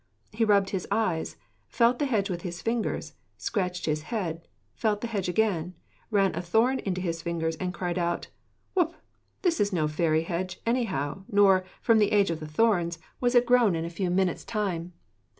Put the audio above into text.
He rubbed his eyes, felt the hedge with his fingers, scratched his head, felt the hedge again, ran a thorn into his fingers and cried out, 'Wbwb! this is no fairy hedge anyhow, nor, from the age of the thorns, was it grown in a few minutes' time.'